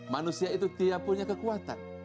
manusia itu tidak punya kekuatan